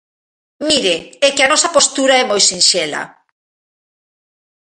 Mire, é que a nosa postura é moi sinxela.